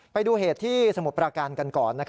ไปดูเหตุที่สมุทรประการกันก่อน